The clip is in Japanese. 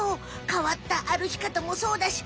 変わったあるき方もそうだし